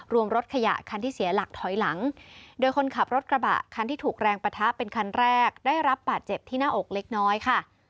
รถขยะคันที่เสียหลักถอยหลังโดยคนขับรถกระบะคันที่ถูกแรงปะทะเป็นคันแรกได้รับบาดเจ็บที่หน้าอกเล็กน้อยค่ะ